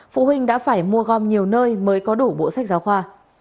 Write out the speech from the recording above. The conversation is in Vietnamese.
phụ huynh đã phải mua gom nhiều nơi mới có đủ bộ sách giáo khoa